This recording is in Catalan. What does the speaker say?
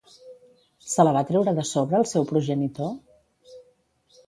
Se la va treure de sobre el seu progenitor?